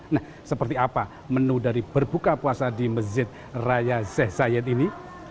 nah seperti apa menu dari berbuka puasa di masjid raya sheikh sayed ini